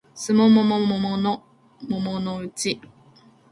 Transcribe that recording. すもももももものもものうち